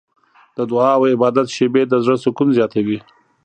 د دعا او عبادت شېبې د زړه سکون زیاتوي.